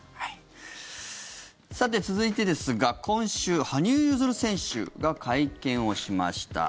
さて、続いてですが今週、羽生結弦選手が会見をしました。